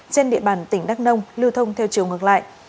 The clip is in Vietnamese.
trên địa bàn tỉnh đắk nông lưu thông theo chiều ngược lại